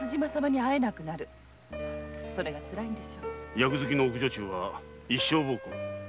役付きの奥女中は一生奉公。